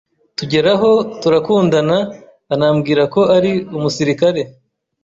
tugeraho turakundana anambwira ko ari umusirikare.